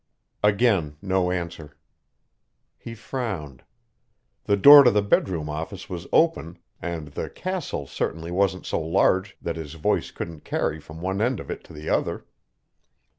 Again, no answer. He frowned. The door to the bedroom office was open, and the "castle" certainly wasn't so large that his voice couldn't carry from one end of it to the other.